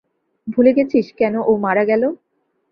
ভুলে গেছিস কেন ও মারা গেল?